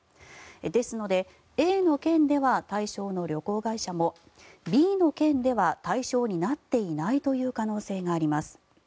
ですのでＡの県では対象の旅行会社もＢの県では対象になっていないという可能性があります。